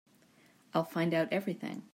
I'll find out everything.